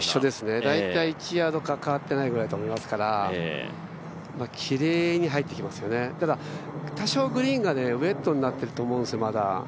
大体１ヤードかかってないくらいですから、きれいに入ってきますね、ただ、多少グリーンがウエットになっていると思うんですよ、まだ。